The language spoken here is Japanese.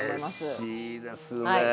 うれしいですね。